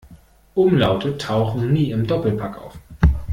Umlaute tauchen nie im Doppelpack auf.